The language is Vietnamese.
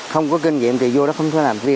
không có kinh nghiệm thì vô đó không có làm gì